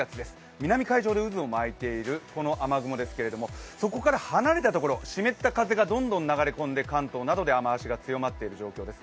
南海上で渦を巻いているこの雨雲ですがそこから離れたところ、湿った風がどんどん流れ込んで関東などで雨足が強まっている状況です。